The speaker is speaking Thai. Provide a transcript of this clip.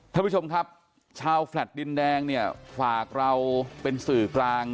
ท่านผู้ชมครับชาวแฟลต์ดินแดงเนี่ยฝากเราเป็นสื่อกลาง